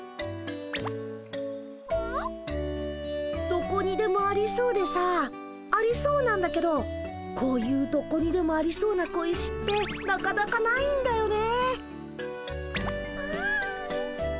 どこにでもありそうでさありそうなんだけどこういうどこにでもありそうな小石ってなかなかないんだよね。